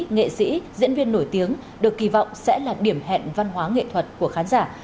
nghệ sĩ diễn viên nổi tiếng được kỳ vọng sẽ là điểm hẹn văn hóa nghệ thuật của khán giả